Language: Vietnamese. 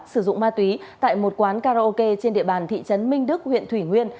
sử dụng ma túy tại một quán karaoke trên địa bàn thị trấn minh đức huyện thủy nguyên